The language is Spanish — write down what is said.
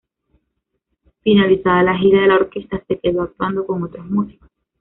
Finalizada la gira de la orquesta se quedó actuando con otros músicos.